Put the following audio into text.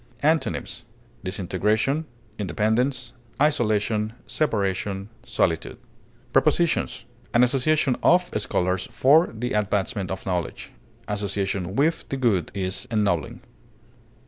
Antonyms: disintegration, independence, isolation, separation, solitude. Prepositions: An association of scholars for the advancement of knowledge; association with the good is ennobling.